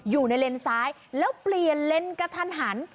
เลนซ้ายแล้วเปลี่ยนเลนส์กระทันหัน